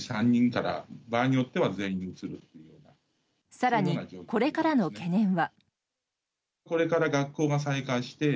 更に、これからの懸念は。